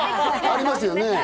ありますよね。